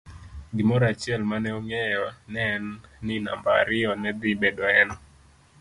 Gimoro achiel mane ong'eyo neen ni namba ariyo nedhi bedo en.